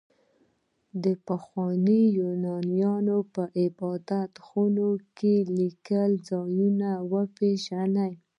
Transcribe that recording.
د پخواني يونان په عبادت خونه کې ليکلي ځان وپېژنئ.